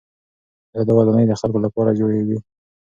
آیا دا ودانۍ د خلکو لپاره جوړې وې؟